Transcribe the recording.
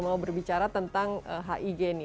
mau berbicara tentang hig nih